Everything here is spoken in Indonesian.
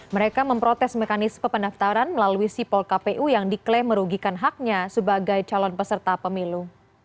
mereka memprotes mekanisme pendaftaran melalui sipol kpu yang diklaim merugikan haknya sebagai calon peserta pemilu